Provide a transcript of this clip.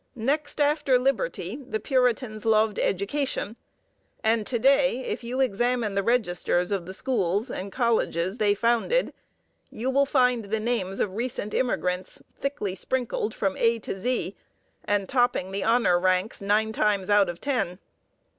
Next after liberty, the Puritans loved education; and to day, if you examine the registers of the schools and colleges they founded, you will find the names of recent immigrants thickly sprinkled from A to Z, and topping the honor ranks nine times out of ten.